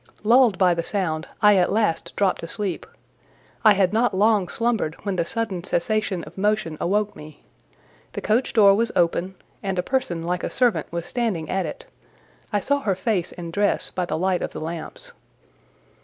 Lulled by the sound, I at last dropped asleep; I had not long slumbered when the sudden cessation of motion awoke me; the coach door was open, and a person like a servant was standing at it: I saw her face and dress by the light of the lamps.